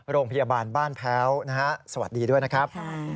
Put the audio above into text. โรงพยาบาลบ้านแพ้วนะฮะสวัสดีด้วยนะครับ